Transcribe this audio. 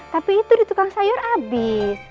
tapi itu ditukang sayur abis